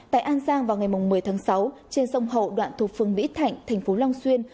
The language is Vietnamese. tại an giang vào ngày một mươi tháng sáu trên sông hậu đoạn thuộc phường mỹ thạnh thành phố long xuyên